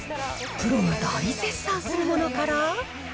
プロが大絶賛するものから。